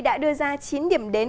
đã đưa ra chín điểm đến